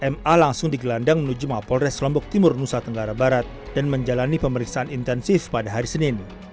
ma langsung digelandang menuju mapolres lombok timur nusa tenggara barat dan menjalani pemeriksaan intensif pada hari senin